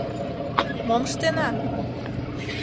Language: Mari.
Мом ыштена?